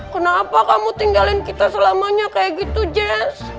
kenapa kamu tinggalin kita selamanya kayak gitu jazz